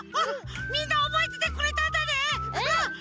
みんなおぼえててくれたんだね！